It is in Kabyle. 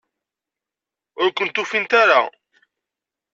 Ur kent-ufint ara?